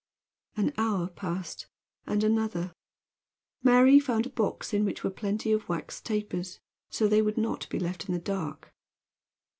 An hour passed and another. Mary found a box in which were plenty of wax tapers. So they would not be left in the dark.